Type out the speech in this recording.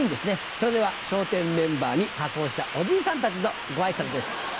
それでは笑点メンバーに仮装したおじいさんたちのご挨拶です。